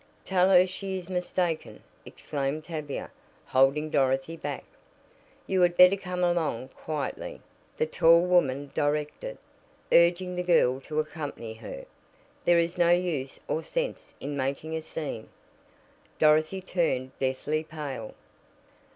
"Tell her she is mistaken!" exclaimed Tavia, holding Dorothy back. "You had better come along quietly," the tall woman directed, urging the girl to accompany her. "There is no use or sense in making a scene." Dorothy turned deathly pale.